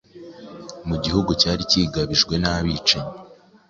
mu gihugu cyari kigabijwe n’abicanyi.